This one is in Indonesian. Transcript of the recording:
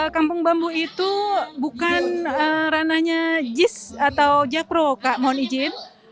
kampung bambu itu bukan ranahnya jis atau jakpro kak mohon izin